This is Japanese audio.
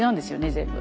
全部。